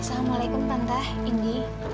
assalamualaikum tante indy